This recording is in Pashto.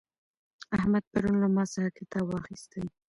احمد پرون له ما څخه کتاب واخیستی.